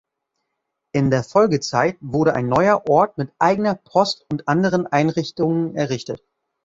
In der Folgezeit wurde ein neuer Ort mit eigener Post und anderen Einrichtungen errichtet.